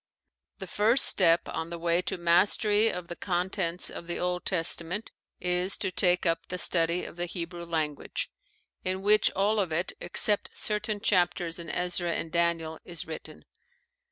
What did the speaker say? The first step on the way to mastery of the contents of the Old Testament is to take up the study of the Hebrew language, in which all of it, except certain chapters in Ezra and Daniel, is written.